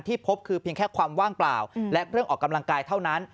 พบคือเพียงแค่ความว่างเปล่าและเครื่องออกกำลังกายเท่านั้น